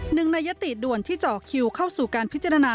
หนึ่งในยติด่วนที่เจาะคิวเข้าสู่การพิจารณา